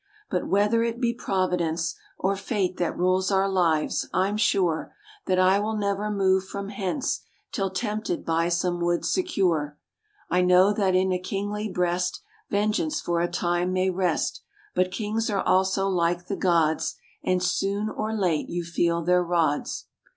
But whether it be Providence Or Fate that rules our lives, I'm sure That I will never move from hence Till tempted by some wood secure. I know that in a kingly breast Vengeance for a time may rest; But kings are also like the gods, And, soon or late, you feel their rods.